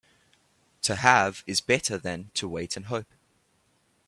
To have is better than to wait and hope.